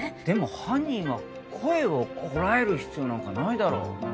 でも犯人は声をこらえる必要なんかないだろ。